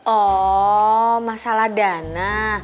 oh masalah dana